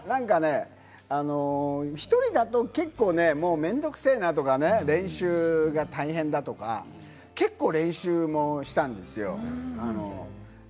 １人だと結構ね、めんどくせぇなとかね、練習が、大変だとか、結構、練習もしたんですよ。